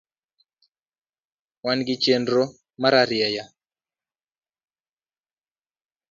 Wangi chenro mararieya.